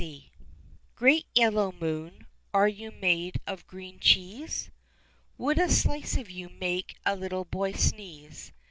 BEAT yellow Moon, are you made of green cheese ? AVould a slice of you make a little boy sneeze